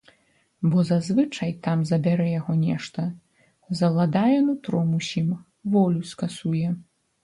Бо зазвычай там забярэ яго нешта, заўладае нутром усім, волю скасуе.